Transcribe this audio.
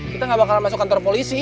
kita nggak bakalan masuk kantor polisi